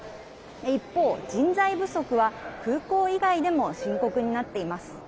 一方、人材不足は空港以外でも深刻になっています。